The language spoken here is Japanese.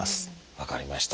分かりました。